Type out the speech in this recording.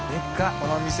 この店。